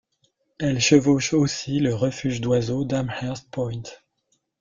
Elle chevauche aussi le refuge d'oiseaux d'Amherst Point.